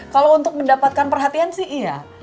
kalau untuk mendapatkan perhatian sih iya